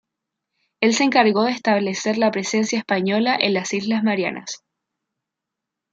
Él se encargo de establecer la presencia española en las Islas Marianas.